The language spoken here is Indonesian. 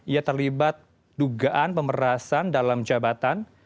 ia terlibat dugaan pemerasan dalam jabatan